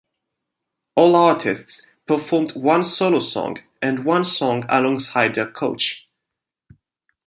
All artists performed one solo song and one song alongside their coach.